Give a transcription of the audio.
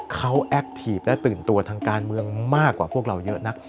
เขาแอคทีฟและตื่นตัวทางการเมืองมากกว่าพวกเราเยอะนัก